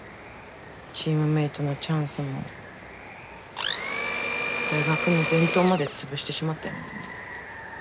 チームメートのチャンスも大学の伝統まで潰してしまったんやもんね。